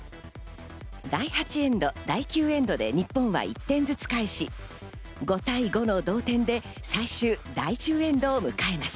第８エンド、第９エンドで日本は１点ずつ返し、５対５の同点で最終第１０エンドを迎えます。